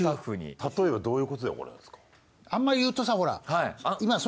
例えばどういうことで怒られるんですか？